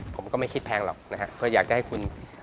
ผมก็ไม่คิดแพงหรอกนะฮะเพราะอยากได้ให้คุณทำนิดเป็นจริง